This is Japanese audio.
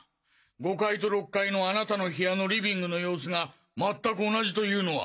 ５階と６階のあなたの部屋のリビングの様子がまったく同じというのは。